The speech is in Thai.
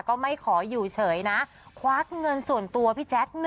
ก็ไม่ขออยู่เฉยนะควักเงินส่วนตัวพี่แจ๊ค